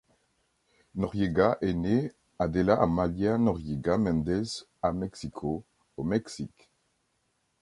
Noriega est née Adela Amalia Noriega Méndez à Mexico, au Mexique.